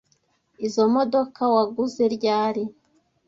Izoi modoka waguze ryari?